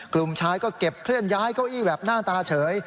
กลุ่มชายก็เก็บเคลื่อนย้ายเก้าอี้แบบหน้าตาเฉย